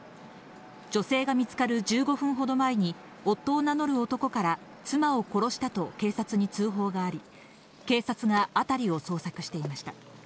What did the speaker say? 女性が見つかる１５分ほど前に、夫を名乗る男から妻を殺したと警察に通報があり、警察が辺りを捜索していました。